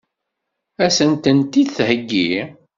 Ad sent-tent-id-theggi?